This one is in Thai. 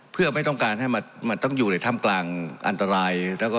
เพื่อไม่ต้องการให้มันต้องอยู่ในถ้ำกลางอันตราย